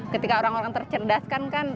ketika orang orang tercerdaskan kan